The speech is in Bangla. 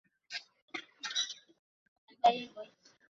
তবে ময়নাতদন্তের প্রতিবেদন পাওয়ার পরই তাঁর মৃত্যুর আসল কারণ জানা যাবে।